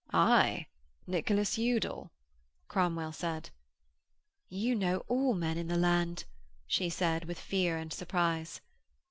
'Aye, Nicholas Udal,' Cromwell said. 'You know all men in the land,' she said, with fear and surprise.